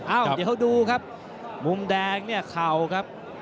เอ้าวเดี๋ยวเรียกมุมแดงเนี่ยคราวครับ